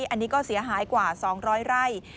อันนี้ก็เสียหายกว่า๒๐๐ไร่